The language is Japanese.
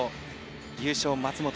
優勝、松元。